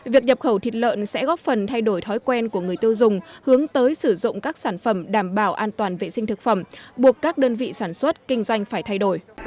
việc nhập khẩu thịt lợn sẽ góp phần thay đổi thói quen của người tiêu dùng hướng tới sử dụng các sản phẩm đảm bảo an toàn vệ sinh thực phẩm buộc các đơn vị sản xuất kinh doanh phải thay đổi